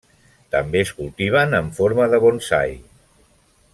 També es cultiven en forma de bonsai.